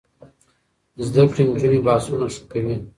زده کړې نجونې بحثونه ښه کوي.